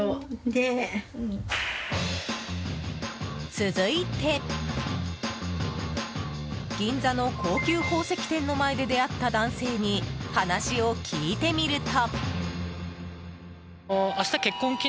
続いて銀座の高級宝石店の前で出会った男性に話を聞いてみると。